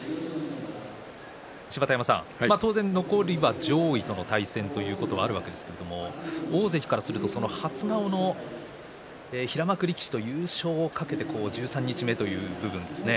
芝田山さん、当然残りは上位との対戦ということがあるわけですけれど大関からすると、初顔の平幕力士という優勝を懸けて十三日目という部分ですね。